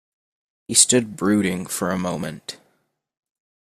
He stood brooding for a moment.